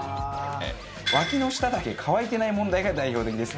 脇の下だけ乾いてない問題が代表的です。